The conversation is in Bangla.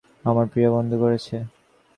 আমার প্রিয় বন্ধু করেছে।